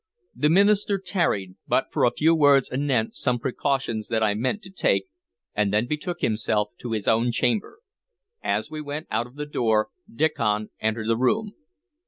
The minister tarried but for a few words anent some precautions that I meant to take, and then betook himself to his own chamber. As he went out of the door Diccon entered the room.